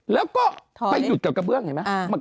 แล้วก็ไปหยุดกับกระเบื้องเห็นไหม